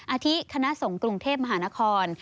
อาทิตคณะสงฆ์กรุงเทพมหานคร